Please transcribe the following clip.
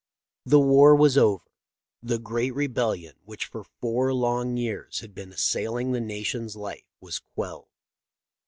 " The war was over. The great rebellion which for four long years had been assail ing the nation's life was quelled.